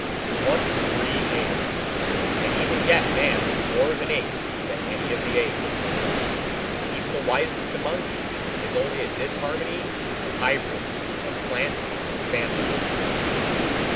Once were ye apes, and even yet man is more of an ape than any of the apes. Even the wisest among you is only a disharmony and hybrid of plant and phantom.